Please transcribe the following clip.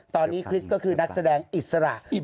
ตอนนี้คริสต์ก็คือนักแสดงอิสระ